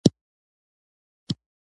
وچه ډوډۍ سته که راوړم